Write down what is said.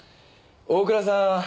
大倉さん